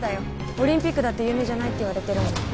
オリンピックだって夢じゃないっていわれてるもん